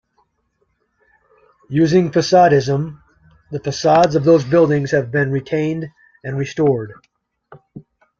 Using facadism, the facades of those buildings have been retained and restored.